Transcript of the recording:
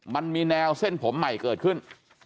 มันมีแนวเส้นผมใหม่เกิดขึ้น